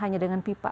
hanya dengan pipa